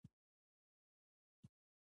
عبدالرحمن زده کوونکي کابل ته بوتلل.